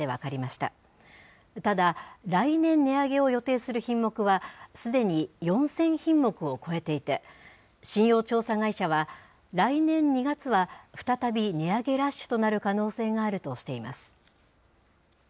ただ、来年値上げを予定する品目はすでに４０００品目を超えていて、信用調査会社は、来年２月は、再び、値上げラッシュとなる可能性があるとしています。